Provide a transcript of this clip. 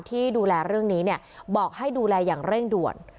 ที่ดูแลเรื่องนี้เนี่ยบอกให้ดูแลอย่างเร่งด่วน